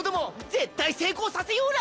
絶対成功させような！